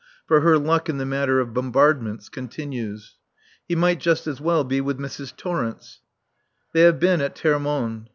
For her luck in the matter of bombardments continues. (He might just as well be with Mrs. Torrence.) They have been at Termonde.